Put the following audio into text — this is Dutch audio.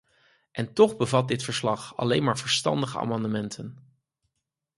En toch bevat dit verslag alleen maar verstandige amendementen.